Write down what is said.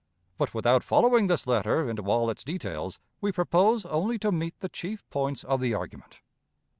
But, without following this letter into all its details, we propose only to meet the chief points of the argument.